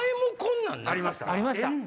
ありました